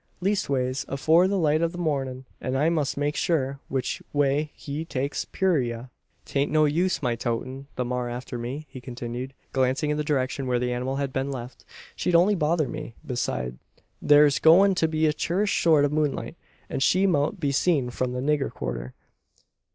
"Leastways afore the light o' the mornin'; an I must make sure which way he takes purayra. "'Taint no use my toatin' the maar after me," he continued, glancing in the direction where the animal had been left. "She'd only bother me. Beside, thur's goin' to be a clurrish sort o' moonlight; an she mout be seen from the nigger quarter.